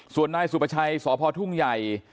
ส่วนนายสุประชัยสพทุ่งใหญ่